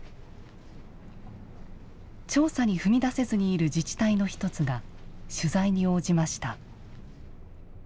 調査に踏み出せずにいる自治体の一つが取材に応じました。